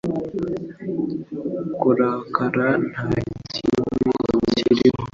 Kurakara nta kibi kirimo